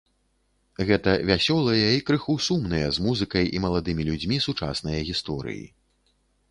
Гэта вясёлыя і крыху сумныя, з музыкай і маладымі людзьмі сучасныя гісторыі.